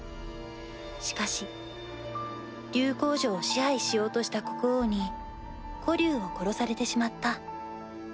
しかし竜皇女を支配しようとした国王に子竜を殺されてしまった。